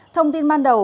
thông tin ban đầu